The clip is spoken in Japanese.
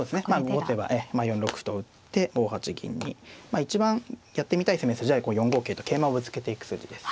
後手は４六歩と打って５八銀に一番やってみたい攻め筋はこう４五桂と桂馬をぶつけていく筋です。